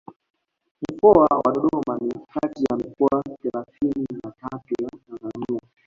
Mkoa wa Dodoma ni kati ya mikoa thelathini na tatu ya Tanzania